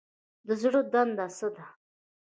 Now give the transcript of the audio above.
د زړه دنده څه ده؟